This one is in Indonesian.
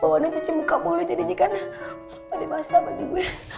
bawahnya cuci muka mulu jadi jikan ada masa bagi gue